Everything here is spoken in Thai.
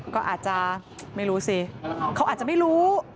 ก็อาจจะไม่รู้สิเขาอาจจะไม่รู้